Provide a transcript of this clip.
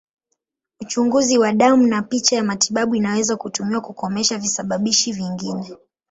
Uchunguzi wa damu na picha ya matibabu inaweza kutumiwa kukomesha visababishi vingine.